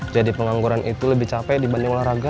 jadi pengangguran itu lebih capek dibanding olahraga